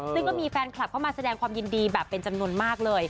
ซึ่งก็มีแฟนคลับเข้ามาแสดงความยินดีแบบเป็นจำนวนมากเลย